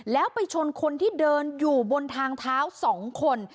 แล้วไปชนคนที่เดินอยู่บนทางเท้า๒คน